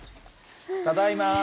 ただいま。